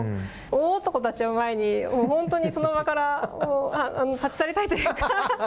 大男たちを前に本当にその場から立ち去りたいというか。